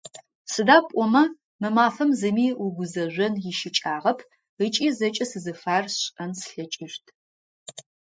Сыда пӏомэ мы мафэм зыми угузэжъон ищыкӏагъэп ыкӏи зэкӏэ сызыфаер сшӏэн слъэкӏыщт.